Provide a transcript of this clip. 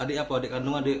adik apa adik kandung adik